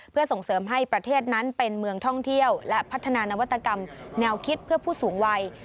เพื่อส่งเสริมให้ประเทศนั้นเป็นเมืองท่องเที่ยวและพัฒนานวัตกรรมแนวคิดเพื่อผู้สูงวัย